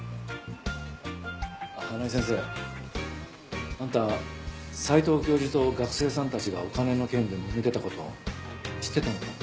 花井先生あんた斎藤教授と学生さんたちがお金の件でもめてた事知ってたのか？